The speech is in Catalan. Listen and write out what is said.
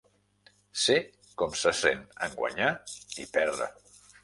Sé com se sent en guanyar i perdre.